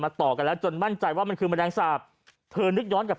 ต่อกันแล้วจนมั่นใจว่ามันคือแมลงสาปเธอนึกย้อนกับ